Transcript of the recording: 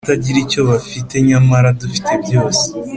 N abatagira icyo bafite nyamara dufite byose